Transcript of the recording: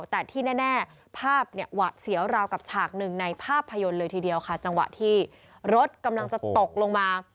แต่ที่แน่ภาพเนี่ยหวัดเสียวราวกับฉากหนึ่งในภาพยนตร์เลยทีเดียวค่ะจังหวะที่รถกำลังจะตกลงมา